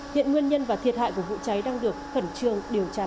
hiện nguyên nhân và thiệt hại của vụ cháy đang được khẩn trương điều tra làm rõ